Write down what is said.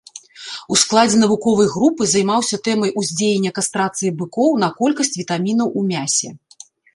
У складзе навуковай групы займаўся тэмай уздзеяння кастрацыі быкоў на колькасць вітамінаў у мясе.